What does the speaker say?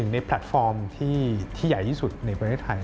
แพลตฟอร์มที่ใหญ่ที่สุดในประเทศไทย